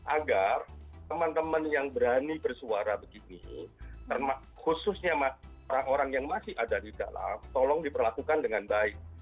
agar teman teman yang berani bersuara begini khususnya orang orang yang masih ada di dalam tolong diperlakukan dengan baik